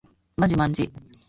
まじまんじ